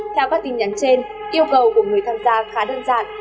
theo các tin nhắn trên yêu cầu của người tham gia khá đơn giản